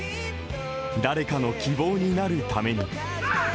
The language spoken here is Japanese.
誰かの希望になるために。